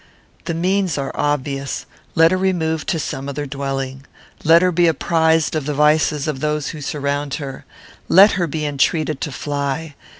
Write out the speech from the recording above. "The means are obvious. Let her remove to some other dwelling. Let her be apprized of the vices of those who surround her. Let her be entreated to fly.